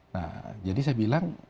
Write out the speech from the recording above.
nah jadi saya bilang